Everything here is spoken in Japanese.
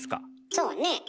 そうねえ。